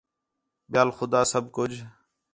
ٻِیال خُدا سب کُج